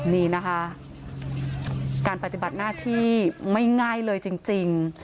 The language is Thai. นี่นะคะการปฏิบัติหน้าที่ไม่ง่ายเลยจริง